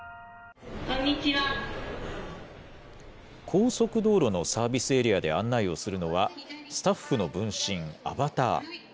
高速道路のサービスエリアで案内をするのは、スタッフの分身、アバター。